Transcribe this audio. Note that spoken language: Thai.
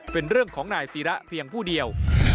เป็นเรื่องของนายศิระเพียงผู้เดียว